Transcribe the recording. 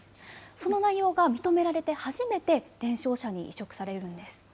その内容が認められて初めて伝承者に委嘱されるんです。